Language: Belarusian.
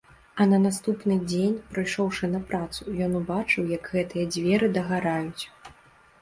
А на наступны дзень, прыйшоўшы на працу, ён убачыў, як гэтыя дзверы дагараюць.